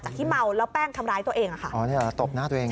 ที่เมาแล้วแป้งทำร้ายตัวเองอะค่ะอ๋อนี่แหละตบหน้าตัวเอง